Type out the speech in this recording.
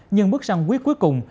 nhưng bước sang quý cuối cùng